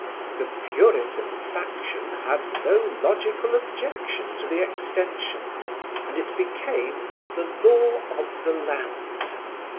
The Puritan faction had no logical objection to the extension, and it became the law of the land.